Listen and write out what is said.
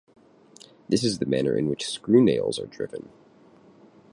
This is the manner in which screw-nails are driven.